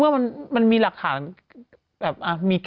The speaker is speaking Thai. อึกอึกอึก